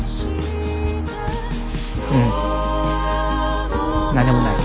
ううん何でもない。